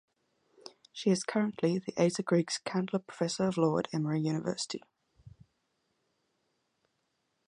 She is currently the Asa Griggs Candler Professor of Law at Emory University.